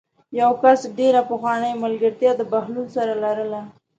یوه کس ډېره پخوانۍ ملګرتیا د بهلول سره لرله.